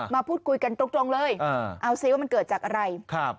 มาพูดคุยกันตรงเลยเอาสิว่ามันเกิดจากอะไรครับ